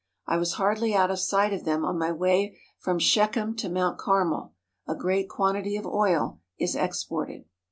I was hardly out of sight of them on my way from Shechem to Mount Carmel. A great quantity of oil is exported.